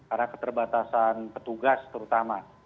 ada keterbatasan petugas terutama